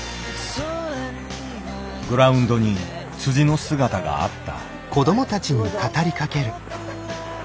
グラウンドにの姿があった。